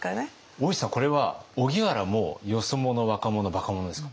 大石さんこれは荻原もよそ者若者バカ者ですか？